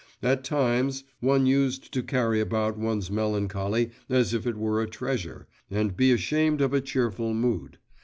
At times, one used to carry about one's melancholy as if it were a treasure, and be ashamed of a cheerful mood.